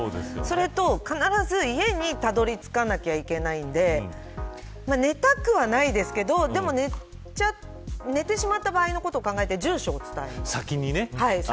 それと必ず家にたどり着かなきゃいけないので寝たくはないですけどでも寝てしまった場合のことを考えて住所を伝えます。